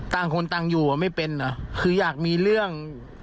ต่างคนต่างอยู่ไม่เป็นอ่ะคืออยากมีเรื่อง